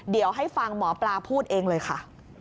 เดี๋ยวให้ฟังหมอปลาพูดเองเลยค่ะ